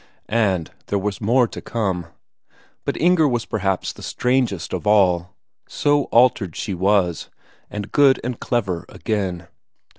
And there was more to come. But Inger was perhaps the strangest of all; so altered she was, and good and clever again.